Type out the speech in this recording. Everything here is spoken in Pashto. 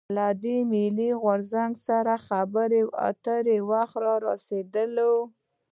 له دې «ملي غورځنګ» سره د خبرواترو وخت رارسېدلی.